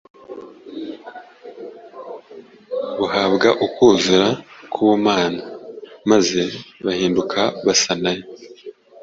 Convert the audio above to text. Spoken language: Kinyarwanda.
bahabwa ukuzura k’Ubumana maze barahinduka basa na Yo.